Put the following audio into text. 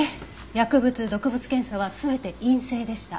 薬物毒物検査は全て陰性でした。